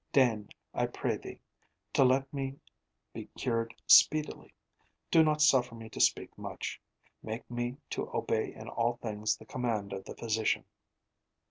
Deign, I pray thee, to let me be cured speedily. Do not suffer me to speak much. Make me to obey in all things the command of the physician.